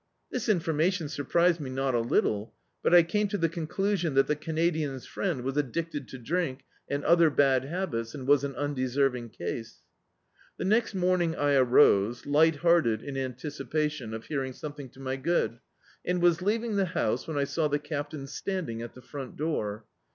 This infonnati<Hi surprised me not a little, but I came to the conclu sion that the Canadian's friend was addicted to drink and other bad habits, and was an undeserving case. The next morning I arose, lighthearted in antici pation of hearing something to my good, and was leaving the house when I saw the Captain standing at the front door.